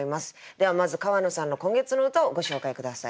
ではまず川野さんの今月の歌をご紹介下さい。